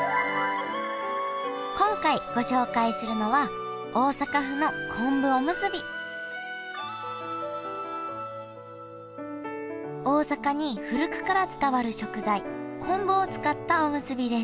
今回ご紹介するのは大阪に古くから伝わる食材昆布を使ったおむすびです。